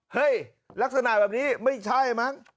ลักษณะแบบนี้ไม่ใช่มั้ง